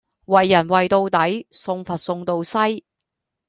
為人為到底，送佛送到西。